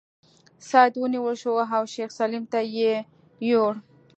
سید ونیول شو او شیخ سلیم ته یې یووړ.